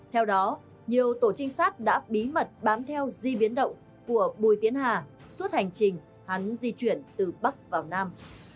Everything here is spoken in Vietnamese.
theo đó nhiều tổ trinh sát đã bí mật bám theo di biến động của bùi tiến hà suốt hành trình hắn di chuyển từ bắc vào nam